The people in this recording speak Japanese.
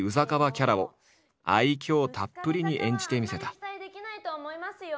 キャラを愛嬌たっぷりに演じてみせた。